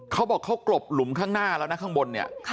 เขาบอกเขากลบหลุมข้างหน้าแล้วนะข้างบนเนี่ย